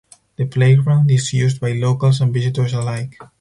The playground is used by locals and visitors alike.